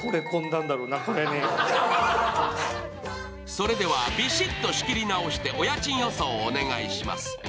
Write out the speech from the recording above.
それではビシッと仕切り直してお家賃予想をお願いします。